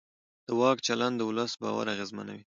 د واک چلند د ولس باور اغېزمنوي